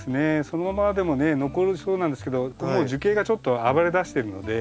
そのままでもね残りそうなんですけどもう樹形がちょっと暴れだしてるので。